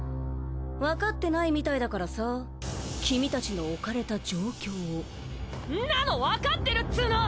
分かってないみたいだからさキミたちの置かれた状況をんなの分かってるっつーの！